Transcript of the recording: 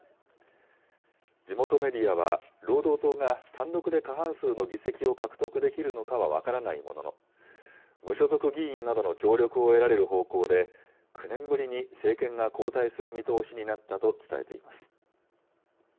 地元メディアは、労働党が単独で過半数の議席を獲得できるのかは分からないものの、無所属議員などの協力を得られる方向で、９年ぶりに政権が交代する見通しになったと伝えています。